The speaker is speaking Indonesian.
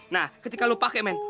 nah ketika lo pakai men